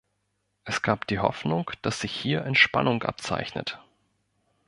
Es gab die Hoffnung, dass sich hier Entspannung abzeichnet.